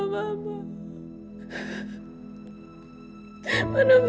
aku butuh mama untuk mengadakan diri